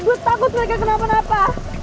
bu takut mereka kenapa napa